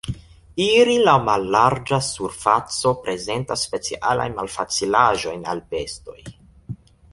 Iri laŭ mallarĝa surfaco prezentas specialajn malfacilaĵojn al bestoj.